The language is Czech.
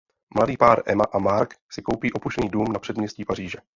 Mladý pár Emma a Marc si koupí opuštěný dům na předměstí Paříže.